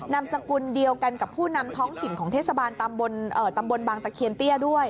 นามสกุลเดียวกันกับผู้นำท้องถิ่นของเทศบาลตำบลบางตะเคียนเตี้ยด้วย